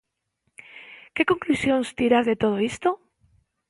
Que conclusións tirar de todo isto?